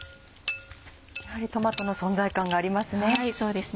やはりトマトの存在感がありますね。